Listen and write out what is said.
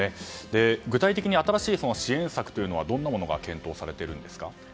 具体的に新しい支援策はどんなものが検討されているんですか？